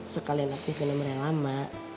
sekalian aktifin nomernya lama